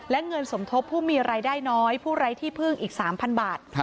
และเงินสมทบผู้มีรายได้น้อยผู้ไร้ที่พึ่งอีก๓๐๐บาท